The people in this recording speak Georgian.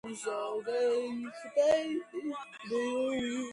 მთელი ქვეყანა დაფარული სახმელეთო და სამდინარო გზების ქსელებით.